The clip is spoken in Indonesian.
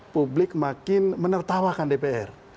publik makin menertawakan dpr